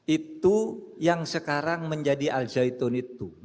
itu yang sekarang menjadi al zaitun itu